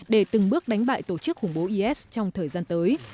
để từng bước đánh bại tổ chức khủng bố is trong thời gian tới